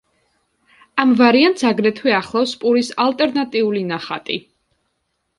ამ ვარიანტს აგრეთვე ახლავს პურის ალტერნატიული ნახატი.